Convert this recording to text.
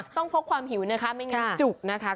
ต้องพกความหิวนะคะไม่ง่าย